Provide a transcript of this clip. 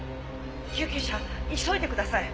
救急車急いでください。